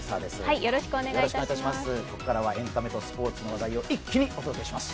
ここからはエンタメとスポーツの話題を一気にお届けします。